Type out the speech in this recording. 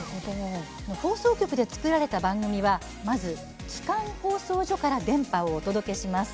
放送局で作られた番組はまず基幹放送所から電波をお届けします。